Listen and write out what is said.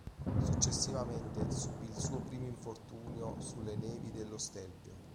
Successivamente subì il suo primo infortunio sulle nevi dello Stelvio.